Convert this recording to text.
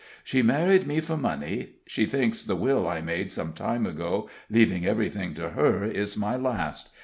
She married me for money; she thinks the will I made some time ago, leaving everything to her, is my last.